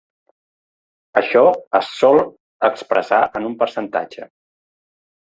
Això es sol expressar en un percentatge.